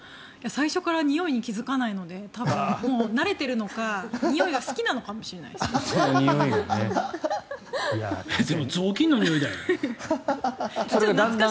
最初からにおいに気付かないので慣れているのかにおいが好きなのかもしれないし。